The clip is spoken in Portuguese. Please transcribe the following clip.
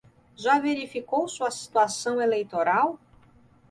Já verificou sua situação eleitoral?